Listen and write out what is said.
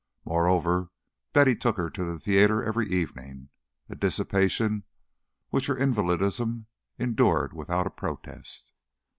Moreover, Betty took her to the theatre every evening, a dissipation which her invalidism endured without a protest.